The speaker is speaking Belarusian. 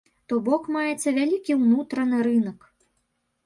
То бок маецца вялікі ўнутраны рынак.